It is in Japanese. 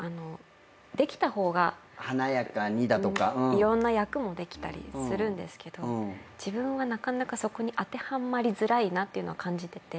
いろんな役もできたりするんですけど自分はなかなかそこに当てはまりづらいなっていうのは感じてて。